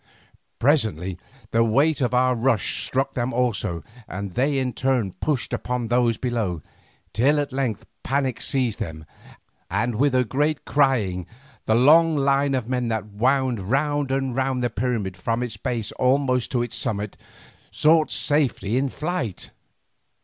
Presently the weight of our rush struck them also, and they in turn pushed upon those below, till at length panic seized them, and with a great crying the long line of men that wound round and round the pyramid from its base almost to its summit, sought their safety in flight.